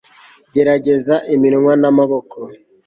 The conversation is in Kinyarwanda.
Gerageza iminwa namaboko